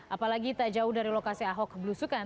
apalagi tak jauh dari lokasi ahok belusukan